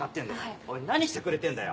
何してくれてんだよ。